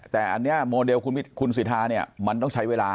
แต่อันนี้โมเดลคุณสิทธาเนี่ยมันต้องใช้เวลา